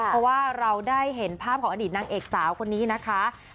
เพราะว่าเราได้เห็นภาพของอดีตนางเอกสาวคนนี้นะคะ